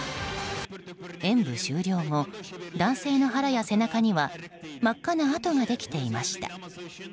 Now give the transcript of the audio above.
演舞終了後、男性の腹や背中には真っ赤な痕ができていました。